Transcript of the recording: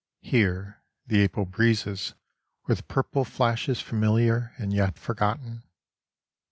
Here the April breezes with purple flashes familiar and yet forgotten.